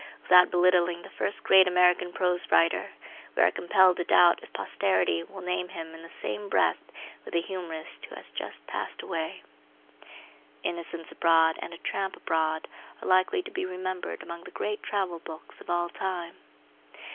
Without belittling the first great American prose writer we are compelled to doubt if posterity will name him in the same breath with the humorist who has just passed away. The "Innocents Abroad" and "A Tramp Abroad" are likely to be remembered among the great travel books of all time.